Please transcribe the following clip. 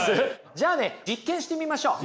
じゃあね実験してみましょう。